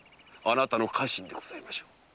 あなたの家臣でございましょう。